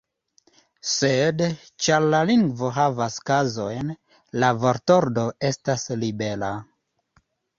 Sed, ĉar la lingvo havas kazojn, la vortordo estas libera.